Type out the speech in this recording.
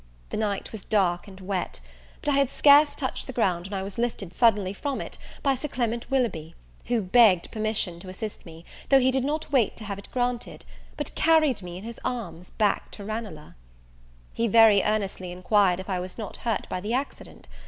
The night was dark and wet; but I had scarce touched the ground when I was lifted suddenly from it by Sir Clement Willoughby, who begged permission to assist me, though he did not wait to have it granted, but carried me in his arms back to Ranelagh. He enquired very earnestly if I was not hurt by the accident?